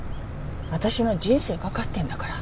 私の人生懸かってるんだから。